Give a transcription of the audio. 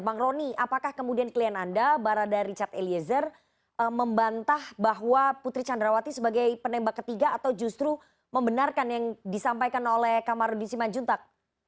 bang roni apakah kemudian klien anda barada richard eliezer membantah bahwa putri candrawati sebagai penembak ketiga atau justru membenarkan yang disampaikan oleh kamarudin simanjuntak